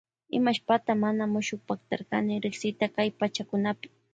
Imashpata mana mushukpaktarkani riksita kay pachakunapi.